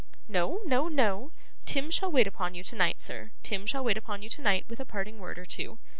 No, no, no! Tim shall wait upon you tonight, sir; Tim shall wait upon you tonight with a parting word or two.